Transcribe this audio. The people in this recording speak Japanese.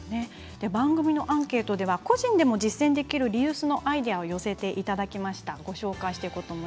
番組のアンケートでは個人でも実践できるリユースアイデアを寄せていただきました。